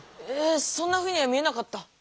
そんなふうには見えなかった！